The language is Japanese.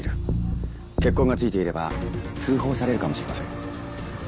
血痕が付いていれば通報されるかもしれません。